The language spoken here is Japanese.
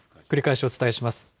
繰り返しお伝えします。